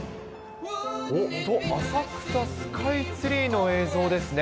浅草・スカイツリーの映像ですね。